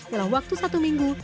dalam waktu satu minggu